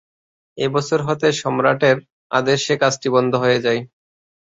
এ বছর হতে সম্রাটের আদেশে কাজটি বন্ধ হয়ে যায়।